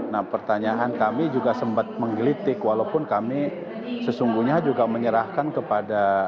nah pertanyaan kami juga sempat menggelitik walaupun kami sesungguhnya juga menyerahkan kepada